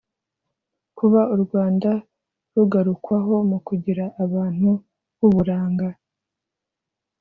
Kuba u Rwanda rugarukwaho mu kugira abantu b’uburanga